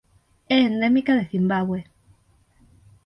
É endémica de Cimbabue.